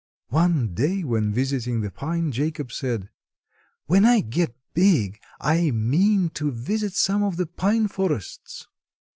One day when visiting the pine, Jacob said: "When I get big I mean to visit some of the pine forests."